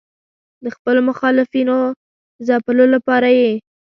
د خپلو مخالفینو ځپلو لپاره یې.